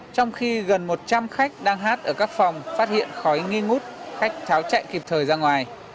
trong khi gần một trăm linh khách đang hát ở các phòng phát hiện khói nghi ngút khách tháo chạy kịp thời ra ngoài